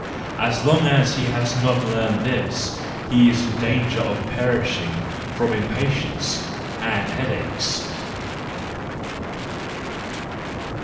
As long as he has not learned this, he is in danger of perishing from impatience and headaches.